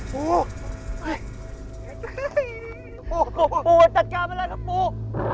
ปูปูจัดการอะไรครับปู